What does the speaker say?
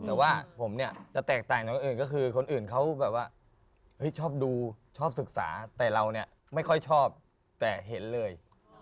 แต่ว่าผมเนี่ยจะแตกต่างจากคนอื่นก็คือคนอื่นเขาแบบว่าชอบดูชอบศึกษาแต่เราเนี่ยไม่ค่อยชอบแต่เห็นเลย